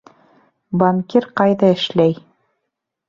Банкир ҡайҙа эшләй?